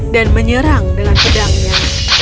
dan menyerang dengan pedangnya